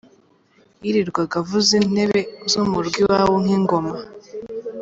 Yirirwaga avuza intebe zo mu rugo iwabo nk’ingoma.